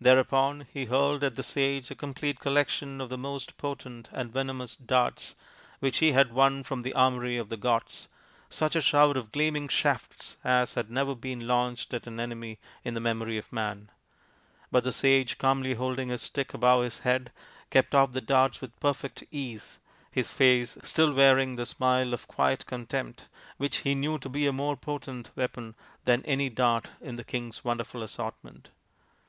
Thereupon he hurled at the sage a complete collection of the most potent and venemous darts which he had won from the armoury of the gods, such a shower of gleaming shafts as had never been launched at an enemy in the memory of man. But the sage, calmly holding his stick above his head, kept off the darts with perfect ease, his face still wearing the smile of quiet contempt, which he knew io be a more potent weapon than any dart in the king's wonderful assortment.